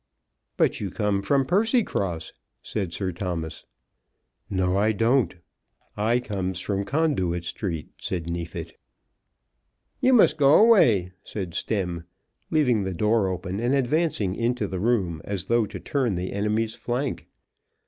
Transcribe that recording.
"But you come from Percycross?" said Sir Thomas. "No I don't; I comes from Conduit Street," said Neefit. "You must go away," said Stemm, leaving the door open, and advancing into the room as though to turn the enemy's flank.